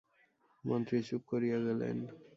মন্ত্রী চুপ করিয়া গেলেন।